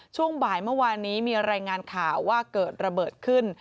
ช่วงบ่ายเมื่อวานนี้มีรายงานข่าวว่าเกิดระเบิดขึ้น